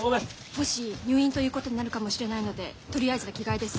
もし入院ということになるかもしれないのでとりあえずの着替えです。